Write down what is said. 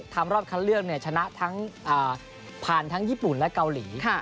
รอบคัดเลือกชนะทั้งผ่านทั้งญี่ปุ่นและเกาหลี